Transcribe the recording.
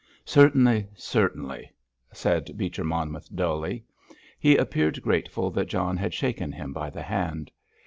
"Certainly, certainly," said Beecher Monmouth dully. He appeared grateful that John had shaken him by the hand.